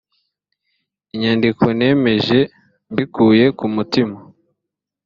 inyandiko nemeje mbikuye ku mutima